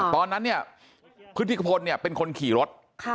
ตอนนั้นเนี่ยพฤติพลเนี่ยเป็นคนขี่รถ